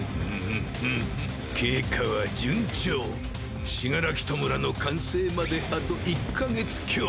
経過は順調死柄木弔の完成まであと１か月強。